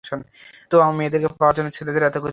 তো, মেয়েদেরকে পাওয়ার জন্য ছেলেদের এতকিছু করতে হয়?